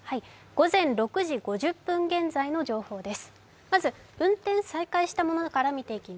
午前６時５０分現在の情報です。